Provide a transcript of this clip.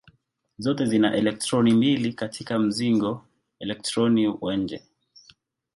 Zote zina elektroni mbili katika mzingo elektroni wa nje.